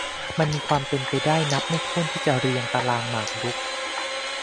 มันมีความเป็นไปได้นับไม่ถ้วนที่จะเรียงตารางหมากรุก